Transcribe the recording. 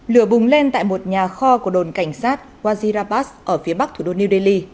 lửa bùng lên tại một nhà kho của đồn cảnh sát wazirapas ở phía bắc thủ đô new delhi